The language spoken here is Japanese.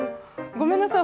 ごめんなさい